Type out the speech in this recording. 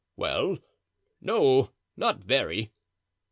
"Well, no, not very."